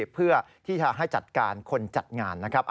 เพื่อที่จะให้จัดการคนจัดงานนะครับ